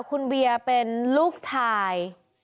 คุณเบียร์เป็นลูกชาย